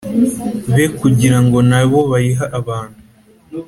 Be kugira ngo na bo bayihe abantu